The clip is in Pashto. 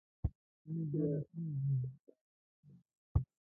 ولې بیا له څه نه ځي دا ښکلی دلبر مې.